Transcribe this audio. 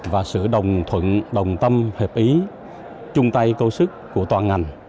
và sự đồng tâm hợp ý chung tay câu sức của toàn ngành